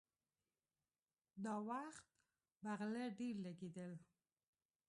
دا وخت به غله ډېر لګېدل.